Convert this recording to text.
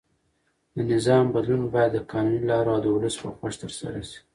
د نظام بدلون باید د قانوني لارو او د ولس په خوښه ترسره شي.